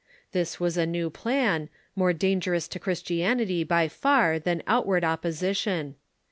This was a new plan, more dangerous to Christianity by far than outward opposition.